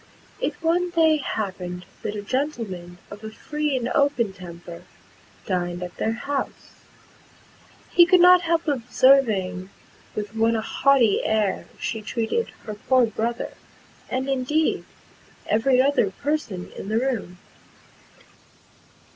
It one day happened that a gentleman of a free and open temper, dined at their [Pg 195]house. He could not help observing with what a haughty air she treated her poor brother, and, indeed, every other person in the room.